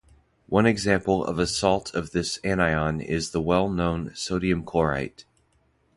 One example of a salt of this anion is the well-known sodium chlorite.